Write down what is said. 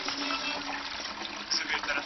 ماشوم په مېړانې سره خپل سر پورته کړ.